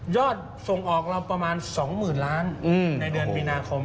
ส่งออกเราประมาณ๒๐๐๐ล้านในเดือนมีนาคม